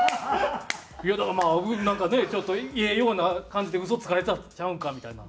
だからまあなんかねちょっとええような感じでウソつかれたちゃうんかみたいな。